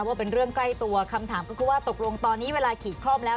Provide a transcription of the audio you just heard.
ว่าเป็นเรื่องใกล้ตัวคำถามก็คือว่าตกลงตอนนี้เวลาขีดคล่อมแล้ว